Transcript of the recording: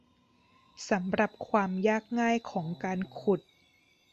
สำหรับความยากง่ายของการขุด